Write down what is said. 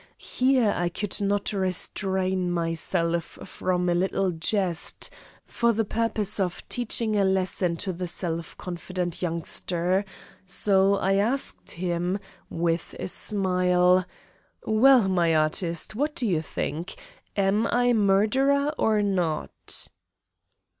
Here I could not restrain myself from a little jest for the purpose of teaching a lesson to the self confident youngster, so I asked him, with a smile: "Well, Mr. Artist, what do you think? Am I murderer or not?"